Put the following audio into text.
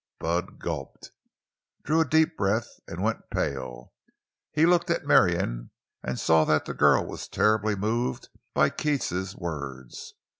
Bud gulped, drew a deep breath and went pale. He looked at Marion, and saw that the girl was terribly moved by Keats's words.